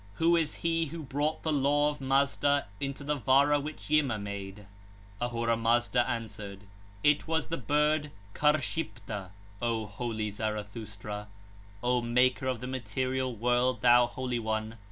Who is he who brought the law of Mazda into the Vara which Yima made? Ahura Mazda answered: 'It was the bird Karshipta 1, O holy Zarathustra!' 43 (140). O Maker of the material world, thou Holy One!